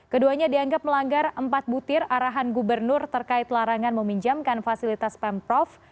keduanya dianggap melanggar empat butir arahan gubernur terkait larangan meminjamkan fasilitas pemprov